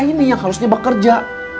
ini yang harus tiba kerja